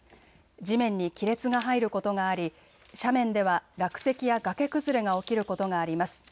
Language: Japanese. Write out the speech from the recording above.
地面に亀裂が入ることがあり斜面では落石や崖崩れが起きることがあります。